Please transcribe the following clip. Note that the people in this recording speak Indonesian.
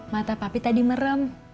mata papi tadi merem